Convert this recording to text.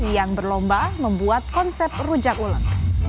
yang berlomba membuat konsep rujak uleng